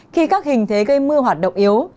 khi các hình thế gây mưa hoạt động yếu